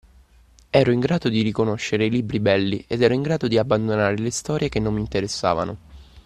Ero in grado di riconoscere i libri belli ed ero in grado di abbandonare le storie che non mi interessavano